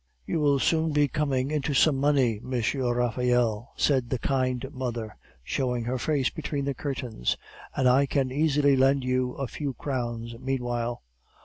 "'You will soon be coming into some money, M. Raphael,' said the kind mother, showing her face between the curtains, 'and I can easily lend you a few crowns meanwhile.